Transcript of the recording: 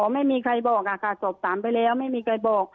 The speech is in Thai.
ไม่มีใครบอกค่ะสอบถามไปแล้วไม่มีใครบอก